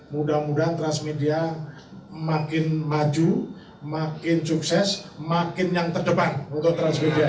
mudah mudahan transmedia makin maju makin sukses makin yang terdepan untuk transmedia